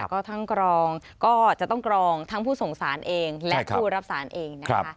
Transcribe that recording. ก็ทั้งกรองก็จะต้องกรองทั้งผู้ส่งสารเองและผู้รับสารเองนะคะ